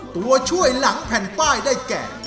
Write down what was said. ตัวช่วยหลังแผ่นป้ายได้แก่